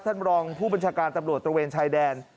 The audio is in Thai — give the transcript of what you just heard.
ท่านรองผู้บัญชาการตำรวจตระเวนชายแดน